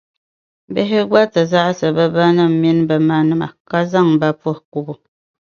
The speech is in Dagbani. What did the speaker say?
bihi gba ti zaɣisi bɛ banim’ mini bɛ manima, ka zaŋ ba puhi kubu.